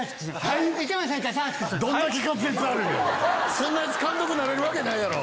そんなヤツ監督なれるわけない。